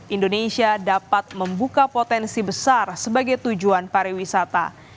indonesia dapat membuka potensi besar sebagai tujuan pariwisata